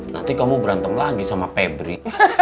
nanti kamu berantem lagi sama pebri